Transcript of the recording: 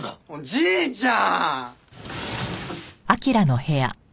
じいちゃん！